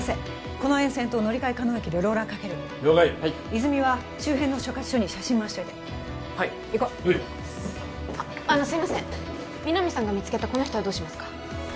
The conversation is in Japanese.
この沿線と乗り換え可能駅でローラーかける了解泉は周辺の所轄署に写真まわしといてはい行こうあのすいません皆実さんが見つけたこの人はどうしますか？